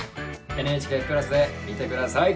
ＮＨＫプラスで見て下さい。